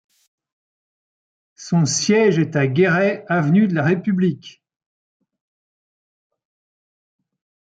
Son siège est à Guéret, avenue de la République.